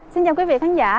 xin chào quý vị khán giả